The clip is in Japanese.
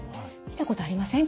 見たことありません